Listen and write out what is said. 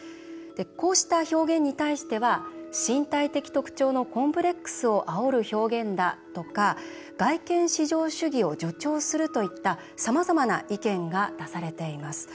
こうした表現に対しては「身体的特徴のコンプレックスをあおる表現だ」とか「外見至上主義を助長する」といったさまざまな意見が出されています。